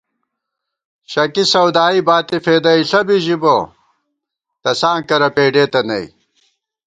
شَکی سَودائی باتی فېدَئیݪہ بی ژِبہ تساں کرہ پېڈېتہ نئ